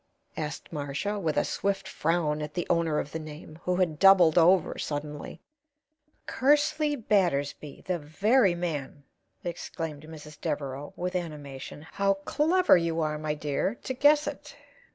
asked Marcia, with a swift frown at the owner of the name, who had doubled over suddenly. "Kersley Battersby. The very man!" exclaimed Mrs. Devereaux, with animation. "How clever you are, my dear, to guess it!